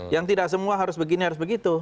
yang tidak semua harus begini harus begitu